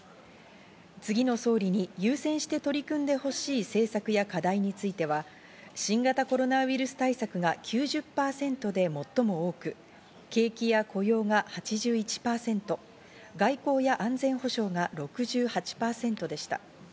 次の総理に優先して取り組んでほしい政策や課題については、新型コロナウイルス対策が９０％で最も多く、景気や雇用が８１％、外交や安全保障が６８％でした。